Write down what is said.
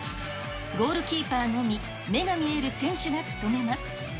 ゴールキーパーのみ目が見える選手が務めます。